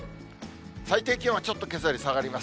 最低気温はちょっとけさより下がります。